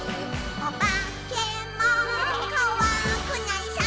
「おばけもこわくないさ」